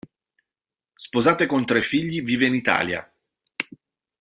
Sposata e con tre figli, vive in Italia.